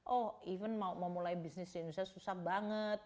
oh even mau mulai bisnis di indonesia susah banget